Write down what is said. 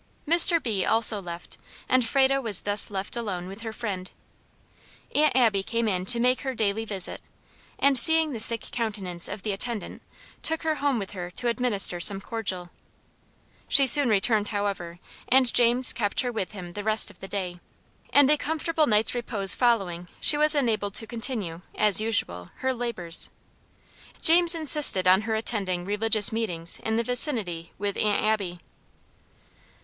Mr. B. also left, and Frado was thus left alone with her friend. Aunt Abby came in to make her daily visit, and seeing the sick countenance of the attendant, took her home with her to administer some cordial. She soon returned, however, and James kept her with him the rest of the day; and a comfortable night's repose following, she was enabled to continue, as usual, her labors. James insisted on her attending religious meetings in the vicinity with Aunt Abby.